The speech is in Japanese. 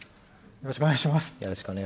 よろしくお願いします。